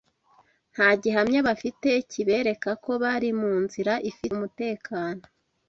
Nta gihamya bafite kibereka ko bari mu nzira ifite umutekano